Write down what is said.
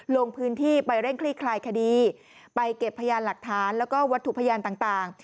ลงพื้นที่ไปเร่งคลี่คลายคดีไปเก็บพยานหลักฐานแล้วก็วัตถุพยานต่าง